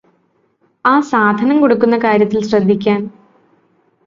ആ സാധനം കൊടുക്കുന്ന കാര്യത്തില് ശ്രദ്ധിക്കാൻ